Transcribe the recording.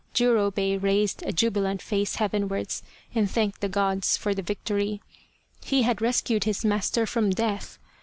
Jurobei raised a jubilant face heavenwards and thanked the gods for the victory. He had rescued his master from death.